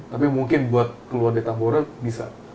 tapi mungkin buat keluar dari tamboraja bisa